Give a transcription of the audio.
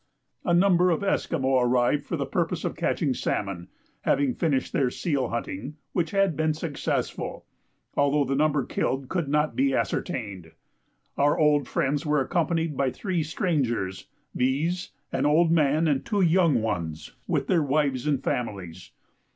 A number of Esquimaux arrived for the purpose of catching salmon, having finished their seal hunting, which had been successful, although the number killed could not be ascertained. Our old friends were accompanied by three strangers, viz., an old man and two young ones, with their wives and families.